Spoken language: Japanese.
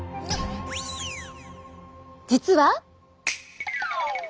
実は！